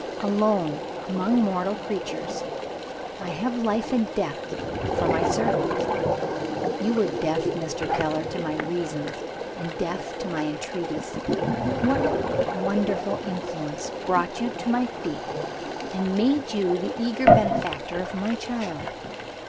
Alone among mortal creatures, I have Life and Death for my servants. You were deaf, Mr. Keller, to my reasons, and deaf to my entreaties. What wonderful influence brought you to my feet, and made you the eager benefactor of my child?